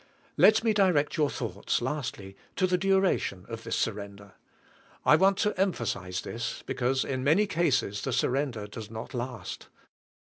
Let me direct your thoughts, lastly, to the du ration of this surrender. I want to emphasize this — because in many cases the surrender does not last.